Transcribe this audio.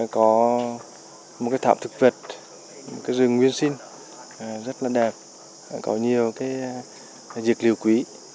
các thạm thực vật các rừng nguyên sinh rất là đẹp có nhiều dịch liệu quý